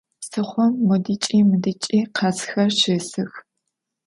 Psıxhom, modıç'i mıdıç'i, khazxer şêsıx.